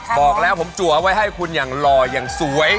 บอกแล้วผมจัวไว้ให้คุณอย่างหล่ออย่างสวย